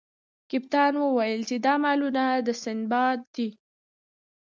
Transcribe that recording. کپتان وویل چې دا مالونه د سنباد دي.